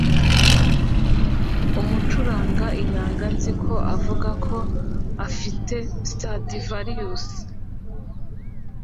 Umucuranga inanga nzi ko avuga ko afite Stradivarius